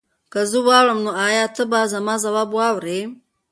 که زه واوړم نو ایا ته به زما ځواب واورې؟